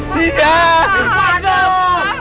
tidak mau lagi